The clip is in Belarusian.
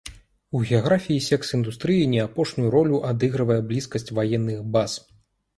У геаграфіі секс-індустрыі не апошнюю ролю адыгрывае блізкасць ваенных баз.